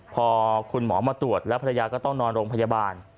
พอคุณหมอมาตรวจแล้วภรรยาก็ต้องนอนโรงพยาบาล